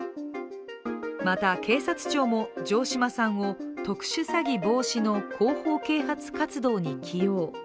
また、警察庁も城島さんを特殊詐欺防止の広報啓発活動に起用。